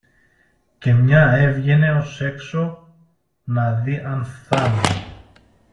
και μια έβγαινε ως έξω να δει αν φθάνουν